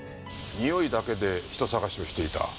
においだけで人捜しをしていた。